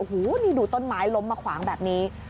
โอ้โหนี่ดูต้นไม้ล้มมาขวางแบบนี้